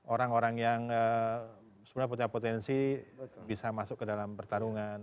orang orang yang sebenarnya punya potensi bisa masuk ke dalam pertarungan